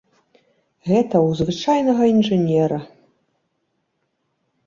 Гэта ў звычайнага інжынера.